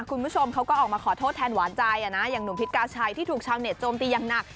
คุณผู้ชมเขาก็ออกมาขอโทษแทนหวานใจอย่างหนุ่มพิษกาชัยที่ถูกชาวเน็ตโจมตีอย่างหนัก